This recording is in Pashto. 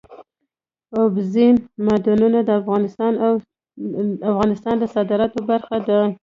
اوبزین معدنونه د افغانستان د صادراتو برخه ده.